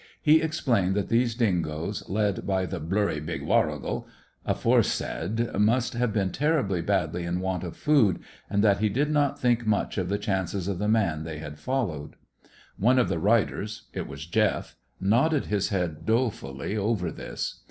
He explained that these dingoes, led by the "blurry big warrigal" aforesaid, must have been terribly badly in want of food; and that he did not think much of the chances of the man they had followed. One of the riders it was Jeff nodded his head dolefully over this.